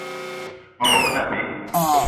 Mevo me ne abe.